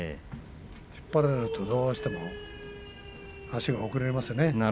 引っ張られると、どうしても足が遅れますね。